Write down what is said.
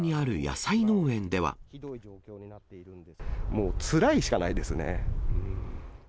もうつらいしかないですね。